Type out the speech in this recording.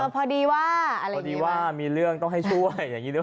พอดีว่ามีเรื่องต้องให้ช่วย